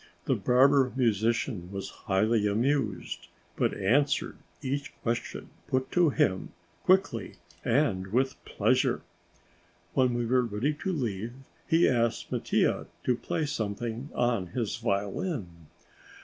The barber musician was highly amused, but answered each question put to him quickly and with pleasure. When we were ready to leave he asked Mattia to play something on his violin.